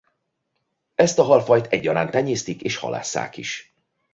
Ezt a halfajt egyaránt tenyésztik és halásszák is.